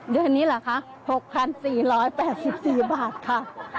เดือนนี้เหรอคะ๖๔๘๔บาทค่ะ